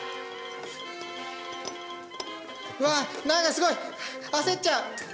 うわあなんかすごい焦っちゃう！